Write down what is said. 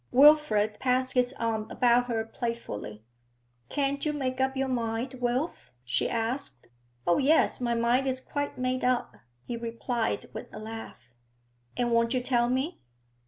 Wilfrid passed his arm about her playfully. 'Can't you make up your mind, Wilf?' she asked. 'Oh yes, my mind is quite made up,' he replied, with a laugh. 'And won't you tell me?'